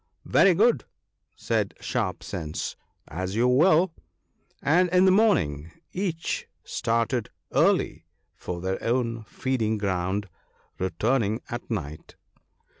" Very good," said Sharp sense ;" as you will ;" and in the morning each started early for his own feeding ground (returning at night).